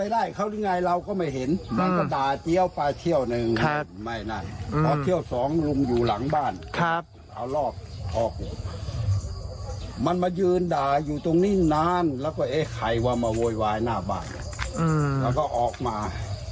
ด้านนางสาวอรพรศรีเพียงจันทร์เจ้าของคลิปค่ะ